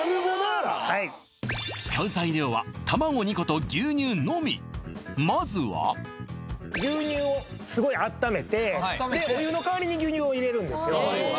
使う材料は卵２個と牛乳のみまずは牛乳をすごい温めてお湯の代わりに牛乳を入れるんですよ